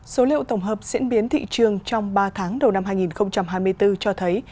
số liệu tổng hợp diễn biến thị trường trong ba tháng đầu năm hai nghìn hai mươi bốn cho thấy